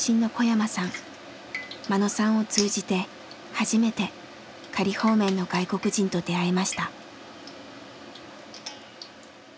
眞野さんを通じて初めて仮放免の外国人と出会いました。